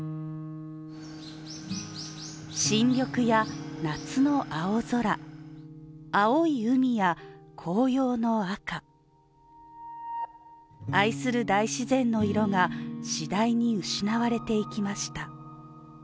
新緑や夏の青空、青い海や紅葉の赤、愛する大自然の色が次第に失われていきました